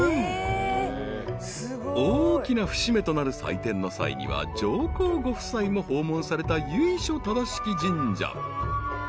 ［大きな節目となる祭典の際には上皇ご夫妻も訪問された由緒正しき神社］